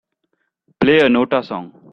Play a Nóta song